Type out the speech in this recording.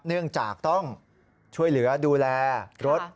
เนื่องจากต้องช่วยเหลือดูแลรถ